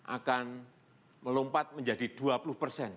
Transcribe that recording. akan melompat menjadi dua puluh persen